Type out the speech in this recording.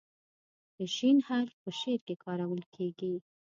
د "ش" حرف په شعر کې کارول کیږي.